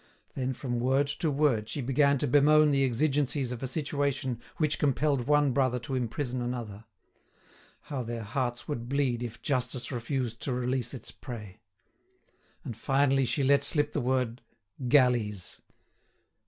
Then from word to word she began to bemoan the exigencies of a situation which compelled one brother to imprison another. How their hearts would bleed if justice refused to release its prey! And finally she let slip the word "galleys!"